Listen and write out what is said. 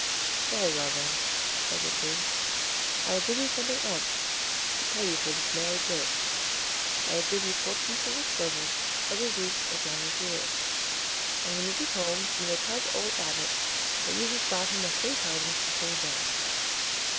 "Very well, then," said the king, "I will give you something else to pay you for this merry joke. I will give you four pieces of silver every week as long as you live. And when you get home, you may tell the old abbot that you have brought him a free pardon from King John."